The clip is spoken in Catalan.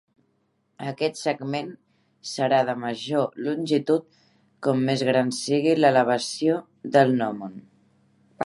Aquest segment serà de major longitud com més gran sigui l'elevació del gnòmon.